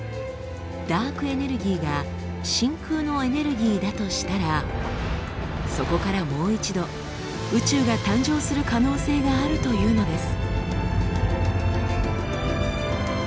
ダークエネルギーが真空のエネルギーだとしたらそこからもう一度宇宙が誕生する可能性があるというのです。